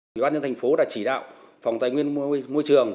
quý bác nhân thành phố đã chỉ đạo phòng tài nguyên môi trường